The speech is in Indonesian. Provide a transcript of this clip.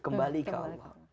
kembali ke allah